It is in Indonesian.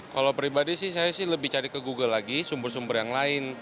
kalau pribadi sih saya sih lebih cari ke google lagi sumber sumber yang lain